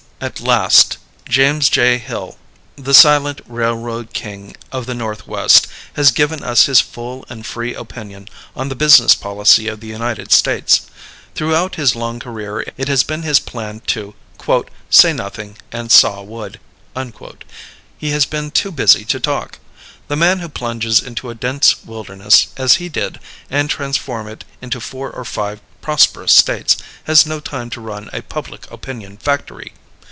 At last James J. Hill the silent railroad king of the Northwest, has given us his full and free opinion on the business policy of the United States. Throughout his long career it has been his plan to "say nothing and saw wood." He has been too busy to talk. The man who plunges into a dense wilderness, as he did, and transforms it into four or five prosperous States, has no time to run a public opinion factory.